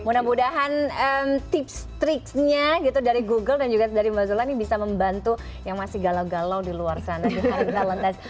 mudah mudahan tips tricks nya gitu dari google dan juga dari mbak zola nih bisa membantu yang masih galau galau di luar sana di hari valentine's